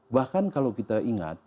bahkan kalau kita ingat